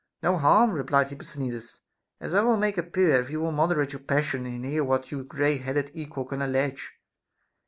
No harm, replied Hipposthenides, as I will make appear if you will mod erate your passion and hear what your gray headed equal can allege.